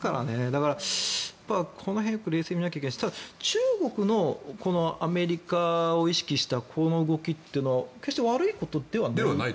だから、この辺よく冷静に見なきゃいけないしただ、中国のアメリカを意識したこの動きというのは決して悪いことではない？